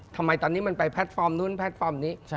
ทำไมตอนนี้มันไปแพลตฟอร์มนู้นแพลตฟอร์มนี้